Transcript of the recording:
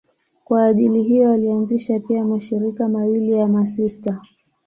Kwa ajili hiyo alianzisha pia mashirika mawili ya masista.